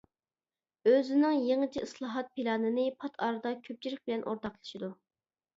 ئۆزىنىڭ يېڭىچە ئىسلاھات پىلانىنى پات ئارىدا كۆپچىلىك بىلەن ئورتاقلىشىدۇ.